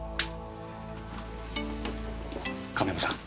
亀山さん。